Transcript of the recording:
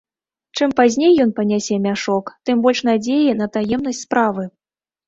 Чым пазней ён панясе мяшок, тым больш надзеі на таемнасць справы.